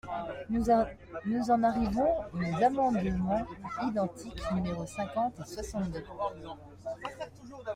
Nous en arrivons aux amendements identiques numéros cinquante et soixante-deux.